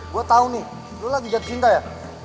gue tau nih lo lagi jatuh cinta ya